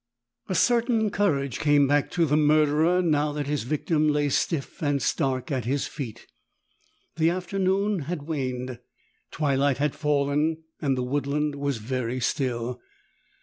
A certain courage came back to the murderer now that his victim lay stiff and stark at his feet. The afternoon had waned : twilight had fallen and the woodland was very still.